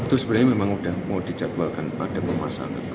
itu sebenarnya memang sudah mau dijadwalkan pada pemasangan